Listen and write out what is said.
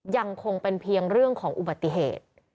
ยังคงเป็นเพียงเรื่องของอุบัติเหตุ